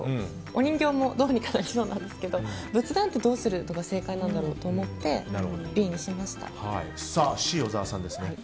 お人形もどうにかなりそうなんですけど仏壇ってどうするのが正解なんだろうと思ってＣ、小沢さんですね。